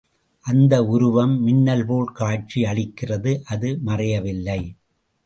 அந்த உருவம் மின்னல்போல் காட்சி அளிக்கிறது அது மறையவில்லை.